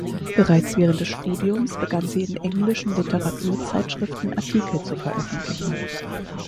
Bereits während des Studiums begann sie in englischen Literaturzeitschriften Artikel zu veröffentlichen.